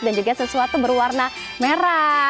dan juga sesuatu berwarna merah